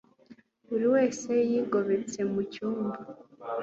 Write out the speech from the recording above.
buri wese yigobetse mu cyumba